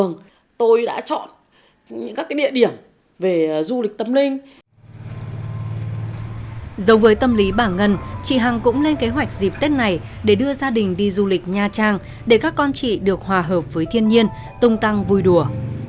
giống với tâm lý bà ngân chị hằng cũng lên kế hoạch dịp tết này để đưa gia đình đi du lịch nha trang để các con chị được hòa hợp với thiên nhiên tung tăng vui đùa